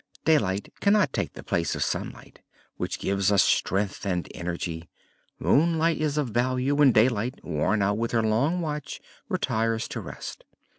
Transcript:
Daylight cannot take the place of Sunlight, which gives us strength and energy. Moonlight is of value when Daylight, worn out with her long watch, retires to rest.